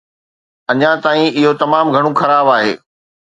اڃان تائين، اهو تمام گهڻو خراب آهي.